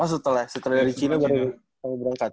oh setelah setelah dari china baru berangkat